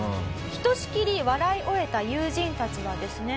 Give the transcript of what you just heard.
ひとしきり笑い終えた友人たちがですね。